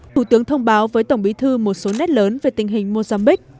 thủ tướng thông báo với tổng bí thư một số nét lớn về tình hình mozambique